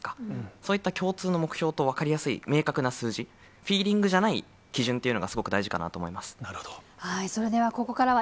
そういった共通の目標と、分かりやすい明確な数字、フィーリングじゃない基準っていうのが、なるほど。